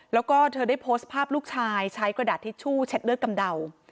แล้วก็เธอได้โพสต์ภาพลูกชายใช้กระดาษทิชชู่เช็ดเลือดกำเดา